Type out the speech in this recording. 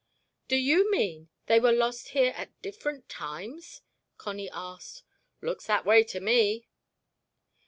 "Do you mean they were lost here at different times?" Connie asked. "Looks that way to me."